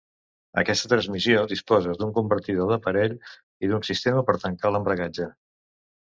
Aquesta transmissió disposa d'un convertidor de parell i d'un sistema per tancar l'embragatge.